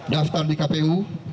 daftar di kpu